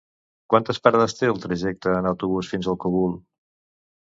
Quantes parades té el trajecte en autobús fins al Cogul?